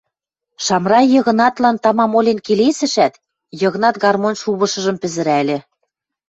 Шамрай Йыгнатлан тамам олен келесӹшӓт, Йыгнат гармонь шувышыжым пӹзӹрӓльӹ